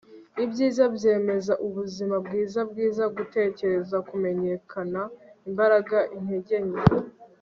ibyiza-byemeza, ubuzima-bwiza, bwiza- gutekereza, kumenyekana, imbaraga, intege nke